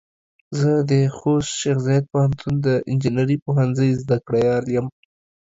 زه د خوست شیخ زايد پوهنتون د انجنیري پوهنځۍ زده کړيال يم.